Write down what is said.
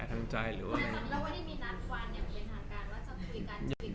ทั้งใจหรือว่า